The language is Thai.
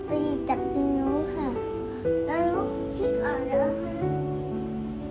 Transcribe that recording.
ไปหยิบจากตรงนู้นค่ะ